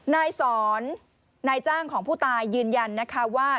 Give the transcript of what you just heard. นายสอนนายจ้างของผู้ตายยืนยันนะคะว่า